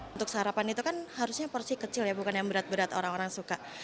untuk sarapan itu kan harusnya porsi kecil ya bukan yang berat berat orang orang suka